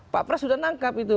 pak pres sudah nangkap